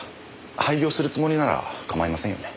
廃業するつもりなら構いませんよね？